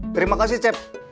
terima kasih cep